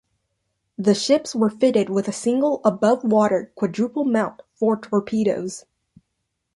The ships were fitted with a single above-water quadruple mount for torpedoes.